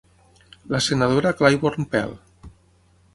La senadora Claiborne Pell.